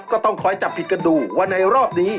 ก็ต้องคอยจับผิดกันดูว่าในรอบนี้